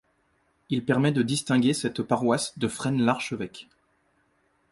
Il permet de distinguer cette paroisse de Fresne-l'Archevêque.